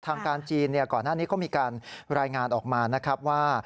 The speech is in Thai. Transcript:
ทางการจีนก่อนหน้านี้เขามีการรายงานออกมานะครับว่า